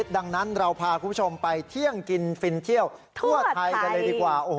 ดังนั้นเราพาคุณผู้ชมไปเที่ยงกินฟินเที่ยวทั่วไทยกันเลยดีกว่า